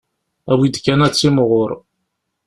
Awi-d kan ad timɣur.